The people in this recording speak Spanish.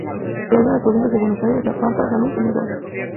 Se halla en las provincias de Buenos Aires, La Pampa, San Luis y Mendoza.